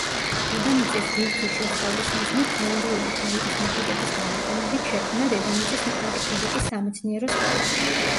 დედამიწის ბირთვის შესწავლის მიზნით თეორიული ფიზიკის მეთოდების გამოყენებით შექმნა დედამიწის მყარი ფიზიკის სამეცნიერო სკოლა.